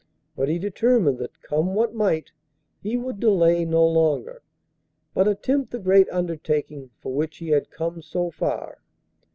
But he determined that, come what might, he would delay no longer, but attempt the great undertaking for which he had come so far.